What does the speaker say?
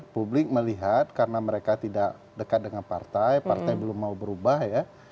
publik melihat karena mereka tidak dekat dengan partai partai belum mau berubah ya